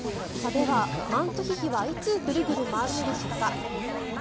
では、マントヒヒはいつグルグル回るのでしょうか。